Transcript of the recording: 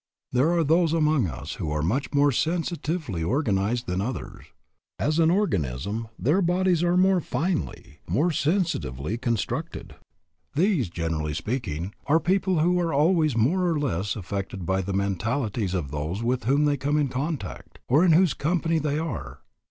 There are those among us who are much more sensitively organized than others. As an organism their bodies are more finely, more sensitively constructed. These, generally speaking, are people who are always more or less affected by the mentalities of those with whom they come in contact, or in whose company they are.